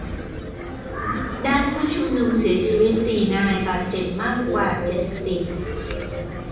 ด้านผู้ชุมนุมเสียชีวิตสี่นาย บาดเจ็บมากกว่าเจ็ดสิบ